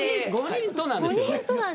５人となんですよね。